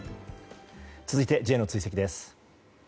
続いて、Ｊの追跡です。